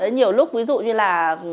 nhiều lúc ví dụ như là